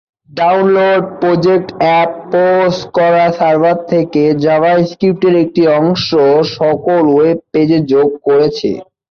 Download project আপোস করা server থেকে জাভাস্ক্রিপ্টের একটি অংশ সকল ওয়েব পেজে যোগ করেছে।